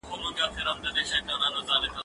زه اوږده وخت پوښتنه کوم!.